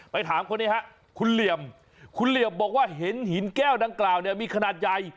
ถามคนนี้ฮะคุณเหลี่ยมคุณเหลี่ยมบอกว่าเห็นหินแก้วดังกล่าวเนี่ยมีขนาดใหญ่